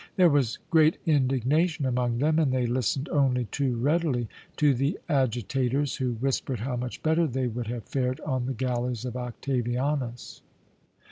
There was great indignation among them, and they listened only too readily to the agitators who whispered how much better they would have fared on the galleys of Octavianus.